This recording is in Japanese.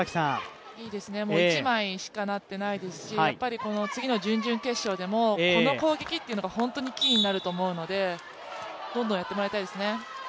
いいですね、１枚しかなってないですしやっぱり次の準々決勝でもこの攻撃っていうのが本当にキーになると思うのでどんどんやってもらいたいですね。